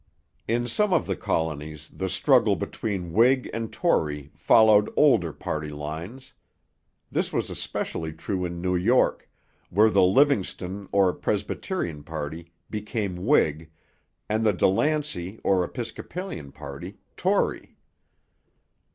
In some of the colonies the struggle between Whig and Tory followed older party lines: this was especially true in New York, where the Livingston or Presbyterian party became Whig and the De Lancey or Episcopalian party Tory.